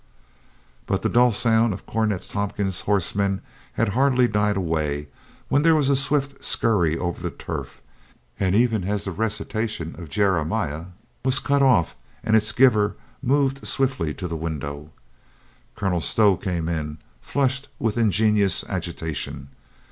But the dull sound of Cornet Tompkins' horse men had hardly died away when there was a swift scurry over the turf, and even as the recitation of Jeremiah was cut off and its giver moved swiftly to the window, Colonel Stow came in, flushed with in genuous agitation.